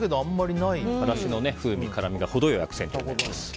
からしの風味、辛みが程良いアクセントに。